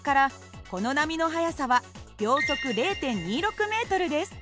この波の速さは秒速０．２６ｍです。